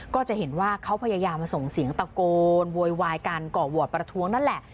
ก็จะเห็นว่าเขาพยายามมาส่งเสียงตะโกนโวยวายการก่อวอดประท้วงนั่นแหละ